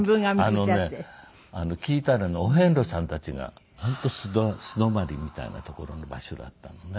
あのね聞いたらねお遍路さんたちが本当素泊まりみたいな所の場所だったのね。